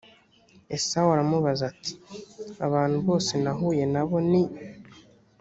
esawu aramubaza ati abantu bose nahuye na bo ni